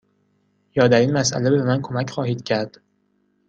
یا در این مسأله به من کمک خواهید کرد؟